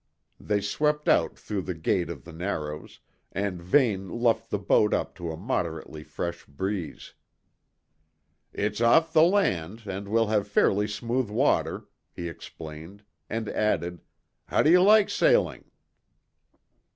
They swept out through the gate of the Narrows, and Vane luffed the boat up to a moderately fresh breeze. "It's off the land, and we'll have fairly smooth water," he explained, and added: "How do you like sailing?"